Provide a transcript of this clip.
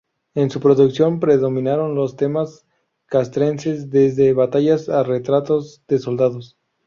En su producción predominaron los temas castrenses, desde batallas a retratos de soldados.